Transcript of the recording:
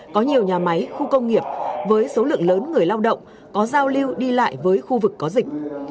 có nhiều nhà máy khu công nghiệp với số lượng lớn người lao động có giao lưu đi lại với khu vực có dịch